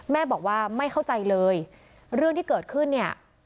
แม่บอกว่าไม่เข้าใจเลยเรื่องที่เกิดขึ้นเนี่ย